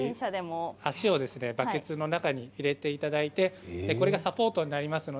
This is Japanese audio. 足をバケツの中に入れていただいてこれがサポートになります。